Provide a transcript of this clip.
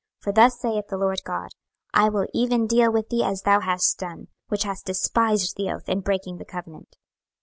26:016:059 For thus saith the Lord GOD; I will even deal with thee as thou hast done, which hast despised the oath in breaking the covenant.